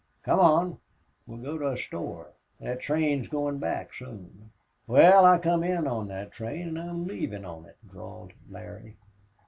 Come on, we'll go to a store. Thet train's goin' back soon." "Wal, I come in on thet train an' now I'm leavin' on it," drawled Larry.